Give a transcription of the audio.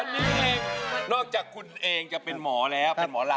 วันนี้เองนอกจากคุณเองจะเป็นหมออะไรครับเป็นหมอเรา